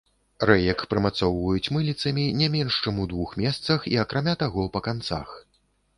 Рэек прымацоўваюць мыліцамі не менш чым у двух месцах, і, акрамя таго, па канцах.